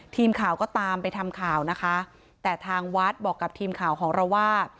ทีมข่าวก็ตามไปทำข่าวนะคะแต่ทางวัดบอกกับทีมข่าวของเราว่า